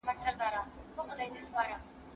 آیا تاسې په ټولنیزو فعالیتونو کې ګډون کوئ؟